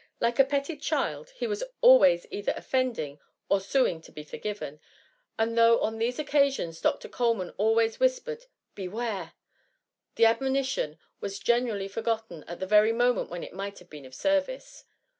Like a petted child, he was always either offeij^ding, or suing to be forgiven, and though on these occa sions Doctor Coleman always whispered ^^ Be ware !^' the admonition was generally forgotten at the very moment when it might have been of service.